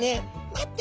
「待って」。